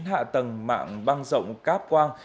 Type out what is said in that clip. hạ tầng mạng băng rộng cáp quang